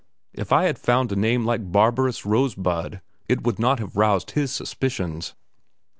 If I had found a name like Barrabas Rosebud it would not have roused his suspicions.